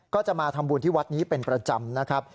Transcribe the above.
ก็จะมาทำบุญที่วัดนี้เป็นประจำนะครับ